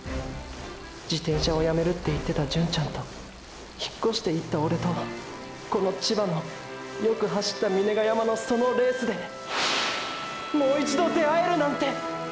自転車をやめるって言ってた純ちゃんと引っ越していったオレとこの千葉のよく走った峰ヶ山のそのレースでもう一度出会えるなんて！！